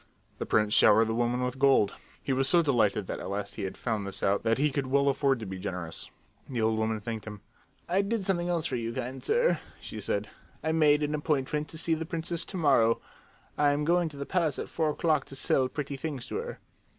The prince showered the old woman with gold. He was so delighted that at last he had found this out that he could well afford to be generous. The old woman thanked him. "I did something else for you, kind sir," she said. "I made an appointment to see the princess to morrow. I am going to the palace at four o'clock to sell pretty things to her."